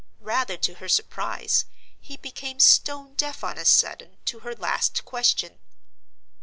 Rather to her surprise, he became stone deaf on a sudden, to her last question.